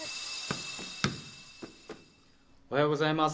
おはようございます。